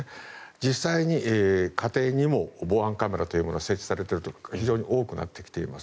実際に家庭にも防犯カメラというものが設置されているところが非常に多くなってきています。